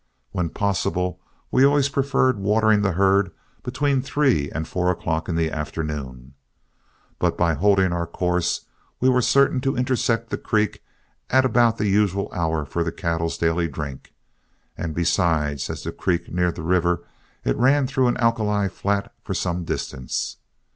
When possible, we always preferred watering the herd between three and four o'clock in the afternoon. But by holding our course, we were certain to intersect the creek at about the usual hour for the cattle's daily drink, and besides, as the creek neared the river, it ran through an alkali flat for some distance.